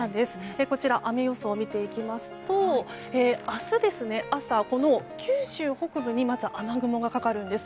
雨予想を見ていきますと明日の朝、九州北部にまず雨雲がかかるんです。